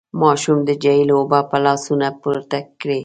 ماشوم د جهيل اوبه په لاسونو پورته کړې.